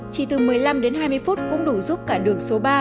chỉ từ một mươi năm đến hai mươi phút cũng đủ giúp cả đường số ba